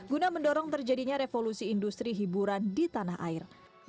guna mendorong terjadinya revolusi industri hiburan di tanah air